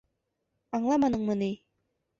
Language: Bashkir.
Аңламаныңмы ни?